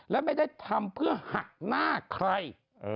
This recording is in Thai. และไม่ได้ทำเพื่อหักหน้าใคร